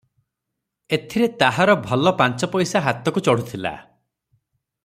ଏଥିରେ ତାହାର ଭଲ ପାଞ୍ଚପଇସା ହାତକୁ ଚଢୁଥିଲା ।